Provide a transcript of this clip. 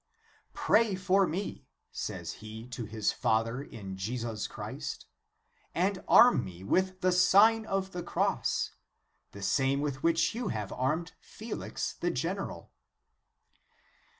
" Pray for me," says he to his father in Jesus Christ, " and arm me with the Sign of the Cross, the same with which you have armed Felix the general."